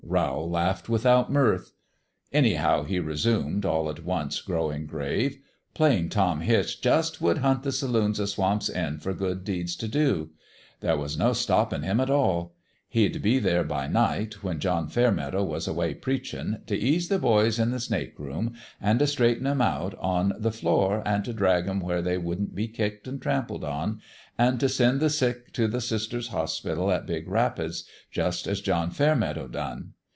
" Rowl laughed without mirth. "Anyhow," he resumed, all at once growing grave, " Plain Tom Hitch jus' would hunt the saloons o' Swamp's End for good deeds t' do. 226 What HAPPENED to TOM HITCH There was no stoppin' him at all ; he'd be there by night, when John Fairmeadow was away preachin', t' ease the boys in the snake room, an' t' straighten 'em out on the floor, an' t' drag 'em where they wouldn't be kicked an' trampled on, an' t' send the sick t' the Sisters' Hospital at Big Rapids, jus' as John Fairmeadow done.